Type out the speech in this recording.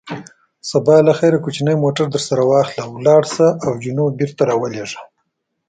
سبا له خیره کوچنی موټر درسره واخله، ولاړ شه او جینو بېرته را ولېږه.